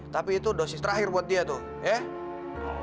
tapi itu dosis terakhir buat dia tuh ya